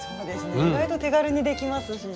意外と手軽にできますしね。